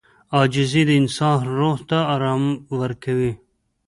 • عاجزي د انسان روح ته آرام ورکوي.